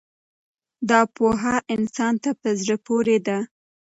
دا پوهه انسان ته په زړه پورې ده.